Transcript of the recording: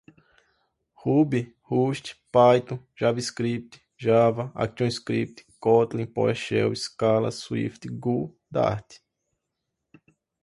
Ruby, rust, python, javascript, java, actionscript, kotlin, powershell, scala, swift, go, dart